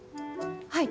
はい。